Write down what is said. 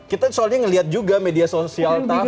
kita soalnya melihat juga media sosial taffy